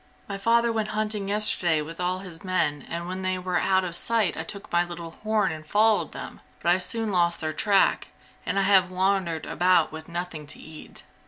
"My father went hunting yesterday with all his men and when they were out of sight I took my little horn and followed them, but I soon lost their track, and I have wandered about with nothing to eat.